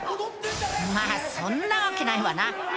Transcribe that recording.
まあそんなわけないわな。